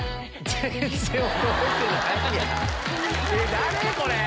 誰⁉これ。